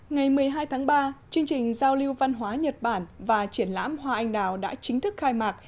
ngày một mươi hai tháng ba chương trình giao lưu văn hóa nhật bản và triển lãm hoa anh đào đã chính thức khai mạc